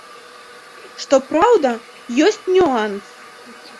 Што праўда, ёсць нюанс.